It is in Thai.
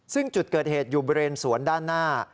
ซึ่งจุดเกิดเหตุอยู่บริเวณสวนด้านหน้า